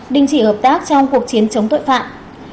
đình chỉ hợp tác trong cuộc chiến chống tội phạm